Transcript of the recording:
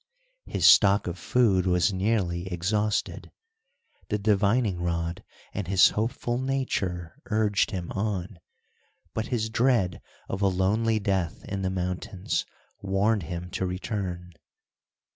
His stock of food was nearly exhausted. The divining rod and his hopeful nature urged him on, but his dread of a lonely death in the mountains warned him to return.